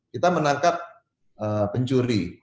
kita menangkap pencuri